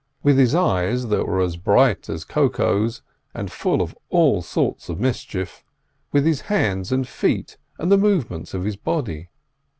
With his eyes, that were as bright as Koko's, and full of all sorts of mischief; with his hands and feet and the movements of his body.